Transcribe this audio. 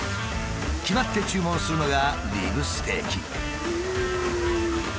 決まって注文するのがリブステーキ。